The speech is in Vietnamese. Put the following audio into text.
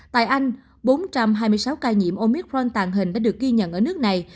tại anh bốn trăm hai mươi sáu ca nhiễm omicron tàn hình đã được ghi nhận ở nước này